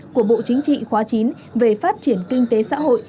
của bộ chính trị khóa chín về phát triển kinh tế xã hội